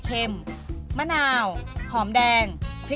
ค่ะใส่พริกแค่พริก